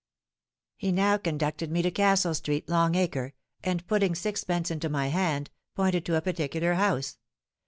"He now conducted me to Castle Street, Long Acre, and putting sixpence into my hand, pointed to a particular house.